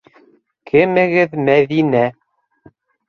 Кемегеҙ Мәҙинә?